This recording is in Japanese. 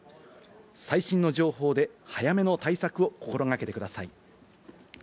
最新の情報で、早めの対策を心掛けてください。